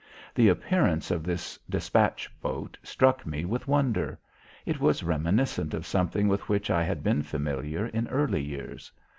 The appearance of this despatch boat struck me with wonder. It was reminiscent of something with which I had been familiar in early years.